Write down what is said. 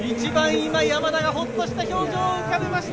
今、山田がホッとした表情を浮かべました。